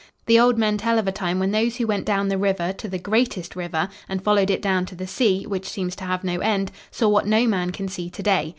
The old men tell of a time when those who went down the river to the greater river and followed it down to the sea, which seems to have no end, saw what no man can see to day.